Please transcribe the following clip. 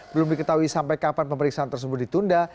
belum diketahui sampai kapan pemeriksaan tersebut ditunda